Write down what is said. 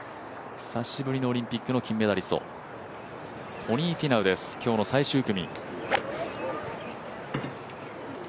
久しぶりのオリンピックの金メダリストトニー・フィナウです、今日の最終組。